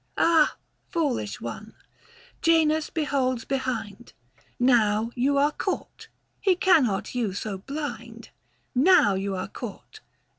Ah, foolish one ! Janus beholds behind ; Now you are caught ; him cannot you so blind, 140 Now you are caught.